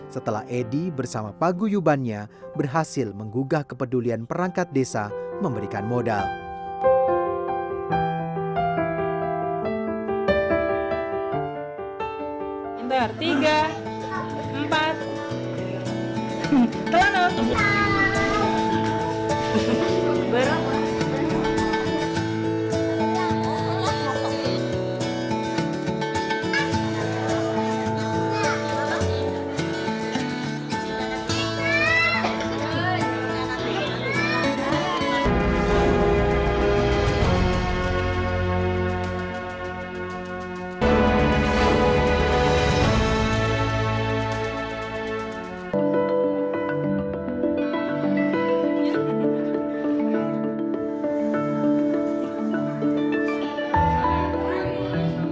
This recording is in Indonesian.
setelah edy bersama paguyubannya berhasil menggugah kepedulian perangkat desa memberikan modal